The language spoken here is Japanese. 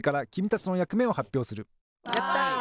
やった！